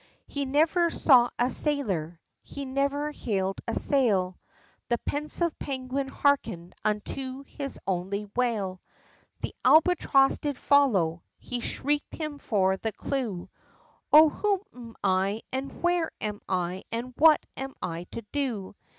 He never saw a sailor! he never hailed a sail! The pensive penguin harkened unto his lonely wail; The albatross did follow he shrieked him for the clew, "O who am I? and where am I? and what am I to do?"